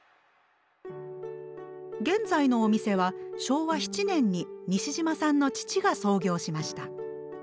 現在のお店は昭和７年に西島さんの父が創業しました。